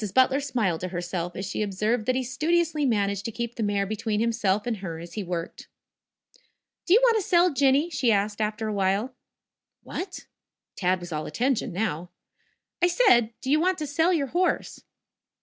Butler smiled to herself as she observed that he studiously managed to keep the mare between himself and her as he worked. "Do you want to sell Jinny?" she asked after a little. "What?" Tad was all attention now. "I said, do you want to sell your horse?"